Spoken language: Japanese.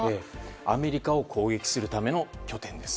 アメリカを攻撃するための拠点です。